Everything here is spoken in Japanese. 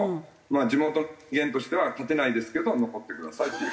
地元の人間としては勝てないですけど残ってくださいっていう。